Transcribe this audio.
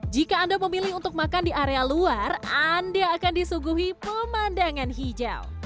jika anda memilih untuk makan di area luar anda akan disuguhi pemandangan hijau